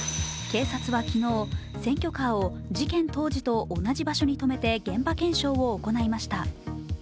警察は昨日、選挙カーを事件当時と同じ場所に止めて現場検証を行いました。